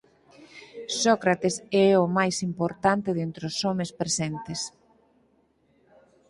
Sócrates é o máis importante de entre os homes presentes.